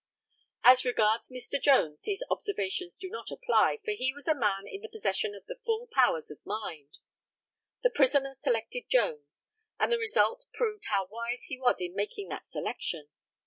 As regards Mr. Jones, these observations do not apply, for he was a man in the possession of the full powers of mind. The prisoner selected Jones, and the result proved how wise he was in making that selection.